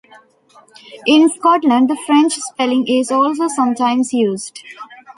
In Scotland the French spelling is also sometimes used.